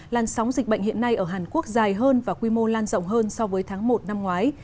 làn sóng dịch bệnh hiện nay ở hàn quốc dài hơn và quy mô lan rộng hơn so với tháng một năm ngoái